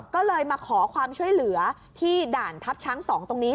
ก็เลยมาขอความช่วยเหลือที่ด่านทัพช้าง๒ตรงนี้